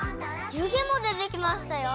ゆげもでてきましたよ！